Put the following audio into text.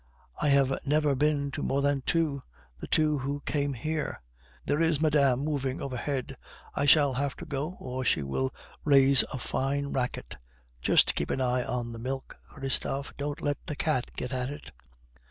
"I have never been to more than two the two who came here." "There is madame moving overhead; I shall have to go, or she will raise a fine racket. Just keep an eye on the milk, Christophe; don't let the cat get at it."